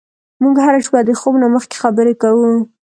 موږ هره شپه د خوب نه مخکې خبرې کوو.